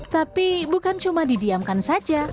tapi bukan cuma didiamkan saja